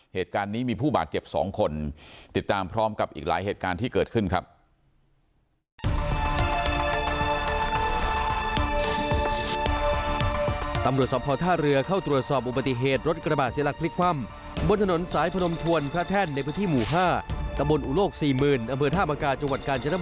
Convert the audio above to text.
เหตุการณ์นี้มีผู้บาดเจ็บ๒คนติดตามพร้อมกับอีกหลายเหตุการณ์ที่เกิดขึ้นครับ